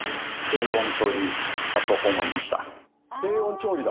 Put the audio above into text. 低温調理だ。